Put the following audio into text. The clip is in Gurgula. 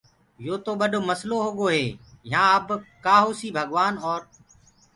يو تو ٻڏو مسلو هوگو هي يهآن اب ڪآ هوسيٚ ڀگوآن اور